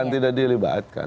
bukan tidak dilibatkan